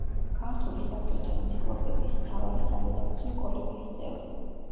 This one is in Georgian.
ქართული საბჭოთა ენციკლოპედიის მთავარი სარედაქციო კოლეგიის წევრი.